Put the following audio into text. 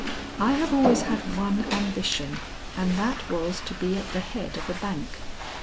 I have always had one ambition, and that was to be at the head of a bank.